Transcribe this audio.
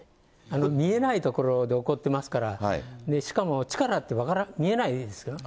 見えない所で起こってますから、しかも力って見えないですよね。